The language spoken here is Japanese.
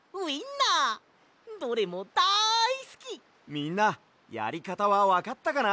みんなやりかたはわかったかな？